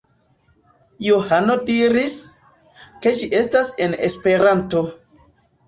Johano diris, ke ĝi estas en Esperanto.